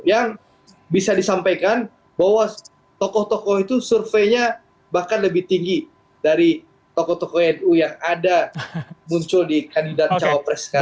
yang bisa disampaikan bahwa tokoh tokoh itu surveinya bahkan lebih tinggi dari tokoh tokoh nu yang ada muncul di kandidat cawapres sekarang